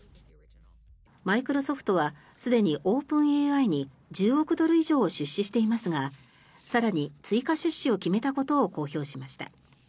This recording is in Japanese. マイクロソフトはすでにオープンＡＩに１０億ドル以上出資していますが更に追加出資を決めたことを公表しました。